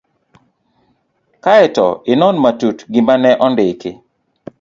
Kae to inon matut gima ne ondiki.